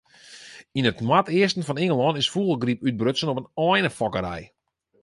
Yn it noardeasten fan Ingelân is fûgelgryp útbrutsen op in einefokkerij.